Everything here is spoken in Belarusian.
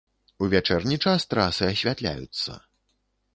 У вячэрні час трасы асвятляюцца.